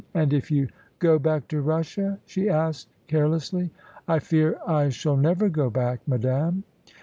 "And if you go back to Russia?" she asked carelessly. "I fear I shall never go back, madame."